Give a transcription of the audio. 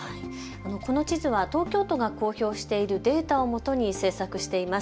この地図は東京都が公表しているデータをもとに制作しています。